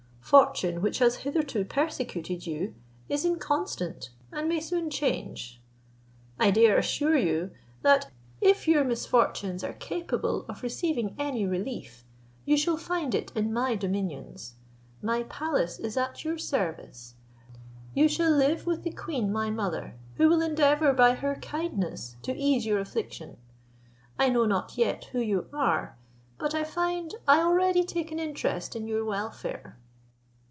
Fortune, which has hitherto persecuted you, is inconstant, and may soon change. I dare assure you, that, if your misfortunes are capable of receiving any relief, you shall find it in my dominions. My palace is at your service. You shall live with the queen my mother, who will endeavour by her kindness to ease your affliction. I know not yet who you are; but I find I already take an interest in your welfare."